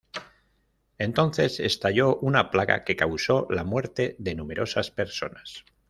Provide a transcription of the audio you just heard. Entonces estalló una plaga que causó la muerte de numerosas personas.